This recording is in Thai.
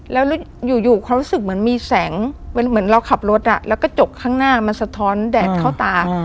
แล้วอยู่เขารู้สึกเหมือนมีแสงเหมือนเราขับรถแล้วก็จกข้างหน้ามันสะท้อนแดดเข้าตา